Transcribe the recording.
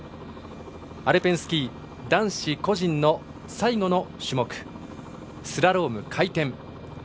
アルペンスキー男子個人の最後の種目、スラローム、回転。